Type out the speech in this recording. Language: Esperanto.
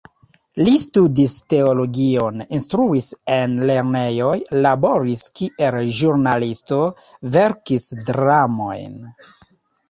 Li studis teologion, instruis en lernejoj, laboris kiel ĵurnalisto, verkis dramojn.